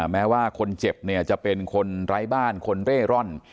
แม้ว่าคนเจ็บเนี่ยจะเป็นคนไร้บ้านคนเร่ร่อน